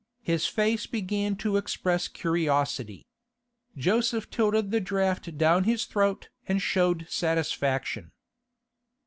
His face began to express curiosity. Joseph tilted the draught down his throat and showed satisfaction.